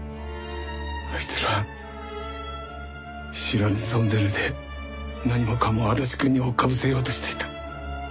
あいつら知らぬ存ぜぬで何もかも足立くんにおっかぶせようとしていた。